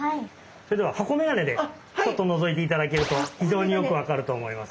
それでは箱メガネでちょっとのぞいていただけると非常によく分かると思います。